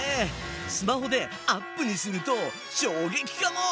スマホでアップにすると衝撃かも。